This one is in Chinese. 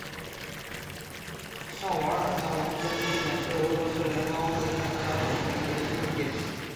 上瓦尔扎农村居民点是俄罗斯联邦沃洛格达州大乌斯秋格区所属的一个农村居民点。